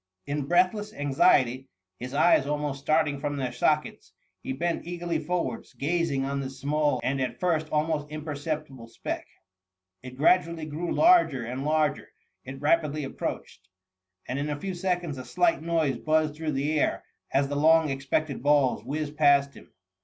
In breathless anxiety, his eyes almost starting from their sockets, he bent eagerly forwards, gazing on this small and at first almost im perceptible speck. It gradually grew larger and larger— it rapidly approached ! and in a few seconds a slight noise buzzed through the air as the long expected balls whizzed past him.